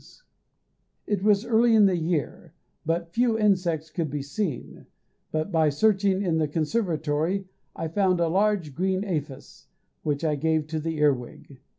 As it was early in the year, but few insects could be seen, but by searching in the conservatory I found a large green aphis, which I gave to the earwig.